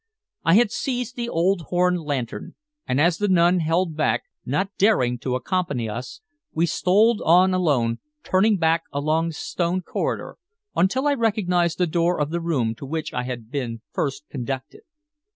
I had seized the old horn lantern, and as the nun held back, not daring to accompany us, we stole on alone, turning back along the stone corridor until I recognized the door of the room to which I had been first conducted.